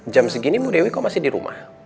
jam segini bu dewi kok masih di rumah